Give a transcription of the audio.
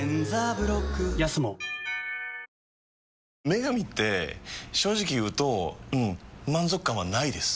「麺神」って正直言うとうん満足感はないです。